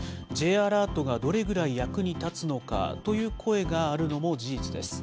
Ｊアラートがどれぐらい役に立つのかという声があるのも事実です。